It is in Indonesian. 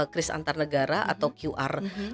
kris antar negara atau qr